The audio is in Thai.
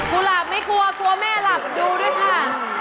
หลับไม่กลัวกลัวแม่หลับดูด้วยค่ะ